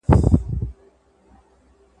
بریالي خلک تل په کار او فعالیت بوخت دي.